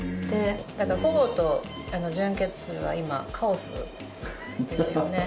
だから保護と純血は今カオスですよね。